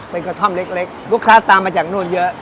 มีกระทำเล็กลูกค้าตามมาจากนวกนอนเยอะ